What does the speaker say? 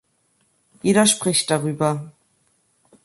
Jeder spricht darüber.